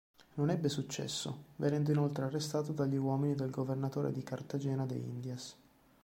Non ebbe successo, venendo inoltre arrestato dagli uomini del governatore di Cartagena de Indias.